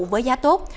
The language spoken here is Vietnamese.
với giá tốt